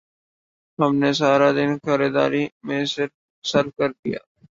ہم نے سارا دن خریداری میں صرف کر دیا